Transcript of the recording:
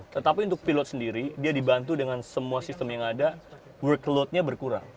tetapi untuk pilot sendiri dia dibantu dengan semua sistem yang ada workloadnya berkurang